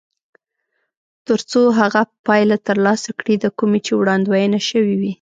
تر څو هغه پایله ترلاسه کړي د کومې چې وړاندوينه شوې وي.